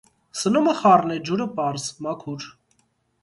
Սնումը խառն է, ջուրը՝ պարզ, մաքուր։